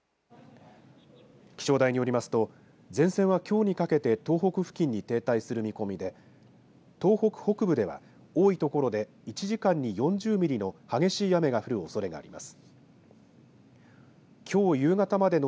気象台によりますと前線はきょうにかけて東北付近に停滞する見込みで東北北部では多い所で１時間に４０ミリの激しい雨が降るおそれがあります。